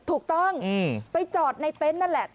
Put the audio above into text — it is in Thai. ถูกต้องไปจอดในเต็นต์นั่นแหละ